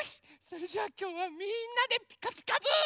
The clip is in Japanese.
それじゃあきょうはみんなで「ピカピカブ！」。